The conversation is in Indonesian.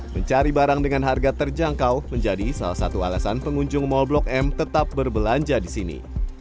mencari barang dengan harga terjangkau menjadi salah satu alasan pengunjung mal blok m tetap berbelanja di sini